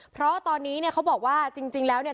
เพราะตอนนี้เนี่ยเขาบอกว่าจริงแล้วเนี่ย